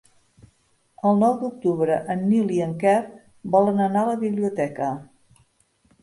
El nou d'octubre en Nil i en Quer volen anar a la biblioteca.